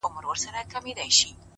• څوک د میندو پر سینو باندي ساه ورکړي ,